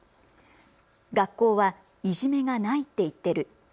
学校はいじめがないって言ってる。